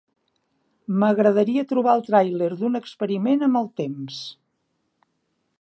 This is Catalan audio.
M'agradaria trobar el tràiler d'Un experiment amb el temps